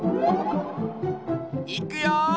いくよ。